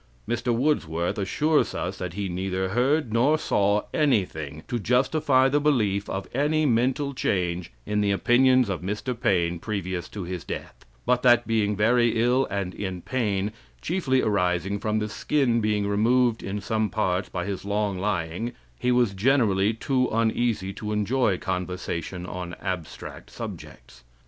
Mr. Woodsworth assures us that he neither heard nor saw anything to justify the belief of any mental change in the opinions of Mr. Paine previous to his death; but that being very ill and in pain, chiefly arising from the skin being removed in some parts by long lying, he was generally too uneasy to enjoy conversation on abstract subjects.